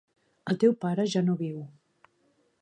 El teu pare ja no viu.